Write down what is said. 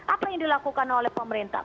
apa yang dilakukan oleh pemerintah